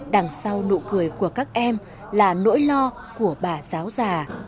đằng sau nụ cười của các em là nỗi lo của bà giáo già